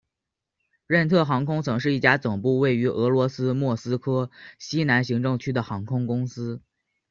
任特航空曾是一家总部位于俄罗斯莫斯科西南行政区的航空公司。